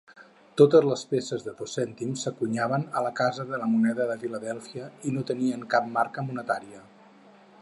Totes les peces de dos cèntims s'encunyaven a la Casa de la Moneda de Filadèlfia, i no tenien cap marca monetària.